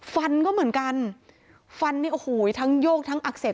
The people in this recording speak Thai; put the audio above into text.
ฟันก็เหมือนกันฟันนี่โอ้โหทั้งโยกทั้งอักเสบ